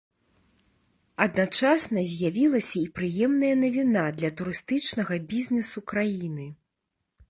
Адначасна з'явілася і прыемная навіна для турыстычнага бізнесу краіны.